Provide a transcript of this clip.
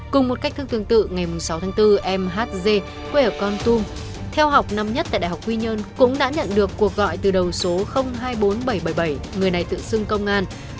cùng một cách thương tương tự ngày sáu tháng bốn em dz quê ở con tum theo học năm nhất tại đại học quy nhơn cũng đã nhận được cuộc gọi từ đầu số hai mươi bốn nghìn bảy trăm bảy mươi bảy người này tự xưng công an